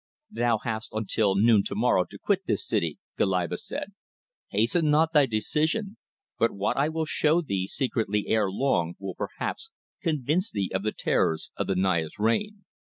"Thou hast until noon to morrow to quit this city," Goliba said. "Hasten not thy decision, but what I will show thee secretly ere long will perhaps convince thee of the terrors of the Naya's reign.